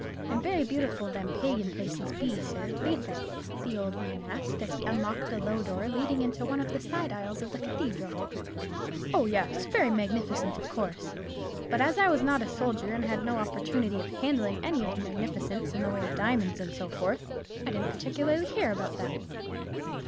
"And very beautiful them Pagan places be, sir, bain't they?" the old man asked, as he unlocked a low door, leading into one of the side aisles of the cathedral. "Oh yes, very magnificent, of course. But as I was not a soldier, and had no opportunity of handling any of the magnificence in the way of diamonds and so forth, I didn't particularly care about them."